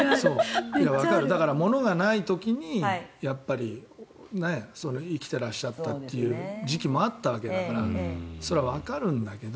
ものがない時に生きていらっしゃった時期もあったわけだからそれはわかるんだけど。